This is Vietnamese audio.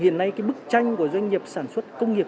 hiện nay cái bức tranh của doanh nghiệp sản xuất công nghiệp